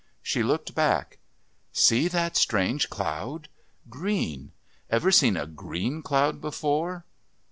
She looked back. "See that strange cloud? Green. Ever seen a green cloud before?